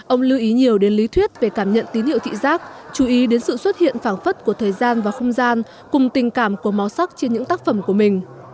ông lưu ý nhiều đến lý thuyết về cảm nhận tín hiệu thị giác chú ý đến sự xuất hiện phản phất của thời gian và không gian cùng tình cảm của màu sắc trên những tác phẩm của mình